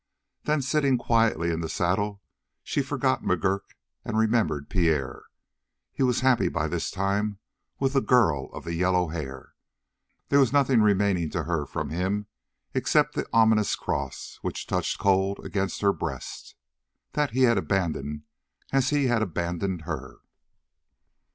Then, sitting quietly in the saddle, she forgot McGurk and remembered Pierre. He was happy by this time with the girl of the yellow hair; there was nothing remaining to her from him except the ominous cross which touched cold against her breast. That he had abandoned as he had abandoned her.